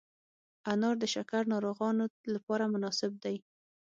انار د شکر ناروغانو لپاره مناسب دی.